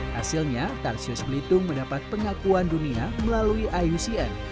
hasilnya tarsius belitung mendapat pengakuan dunia melalui iucn